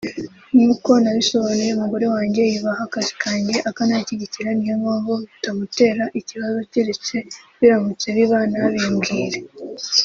“Nk’uko nabisobanuye umugore wanjye yubaha akazi kanjye akananshyigikira niyo mpamvu bitamutera ikibazo keretse biramutse biba ntabimbwire”